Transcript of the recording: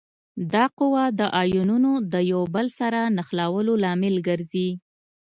دا قوه د آیونونو د یو له بل سره نښلولو لامل ګرځي.